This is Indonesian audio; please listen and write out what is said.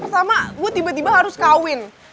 pertama gue tiba tiba harus kawin